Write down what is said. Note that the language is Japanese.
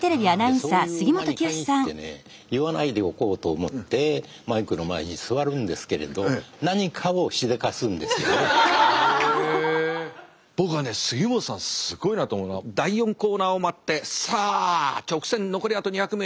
そういう馬に限ってね言わないでおこうと思ってマイクの前に座るんですけれど僕はね杉本さんすごいなと思うのは第４コーナーを回ってさあ直線残りあと２００ｍ。